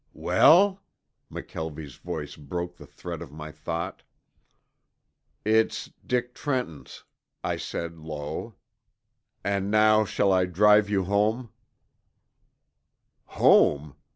"Well?" McKelvie's voice broke the thread of my thought. "It's Dick Trenton's," I said low. "And now shall I drive you home?" "Home?